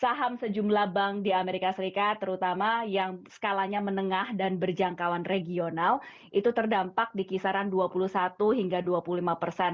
saham sejumlah bank di amerika serikat terutama yang skalanya menengah dan berjangkauan regional itu terdampak di kisaran dua puluh satu hingga dua puluh lima persen